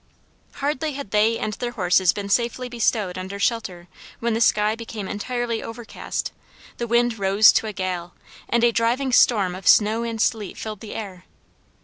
Hardly had they and their horses been safely bestowed under shelter when the sky became entirely overcast, the wind rose to a gale, and a driving storm of snow and sleet filled the air.